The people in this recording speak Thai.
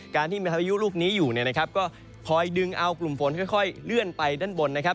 การที่มีพายุลูกนี้อยู่เนี่ยนะครับก็คอยดึงเอากลุ่มฝนค่อยเลื่อนไปด้านบนนะครับ